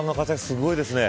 すごいですね。